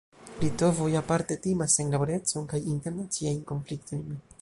Litovoj aparte timas senlaborecon kaj internaciajn konfliktojn.